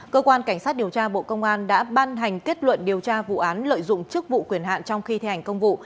cơ quan cảnh sát điều tra bộ công an đã ban hành kết luận điều tra vụ án lợi dụng chức vụ quyền hạn trong khi thi hành công vụ